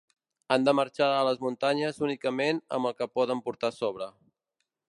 Han de marxar a les muntanyes únicament amb el que poden portar a sobre.